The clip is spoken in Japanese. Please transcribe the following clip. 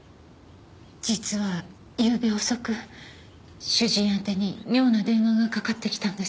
実はゆうべ遅く主人宛てに妙な電話がかかってきたんです。